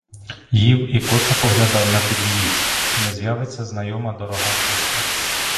Їв і косо поглядав на під'їзд, чи не з'явиться знайома дорога постать.